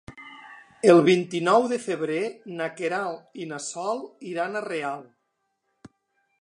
El vint-i-nou de febrer na Queralt i na Sol iran a Real.